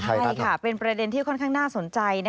ใช่ค่ะเป็นประเด็นที่ค่อนข้างน่าสนใจ